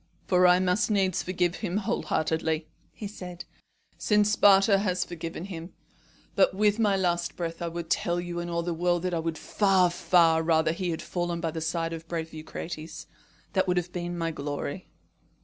"For I must needs forgive him wholeheartedly," he said, "since Sparta has forgiven him; but with my last breath I would tell you and all the world that I would far, far rather he had fallen by the side of the brave Eucrates. That would have been my glory."